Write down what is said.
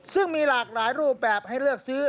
ซึ่งมีหลากหลายรูปแบบให้เลือกซื้อ